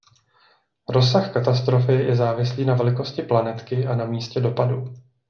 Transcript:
Rozsah katastrofy je závislý na velikosti planetky a na místě dopadu.